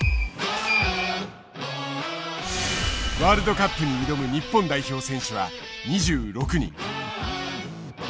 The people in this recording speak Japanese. ワールドカップに挑む日本代表選手は２６人。